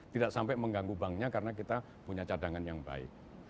tidak sampai mengganggu banknya karena kita punya cadangan yang baik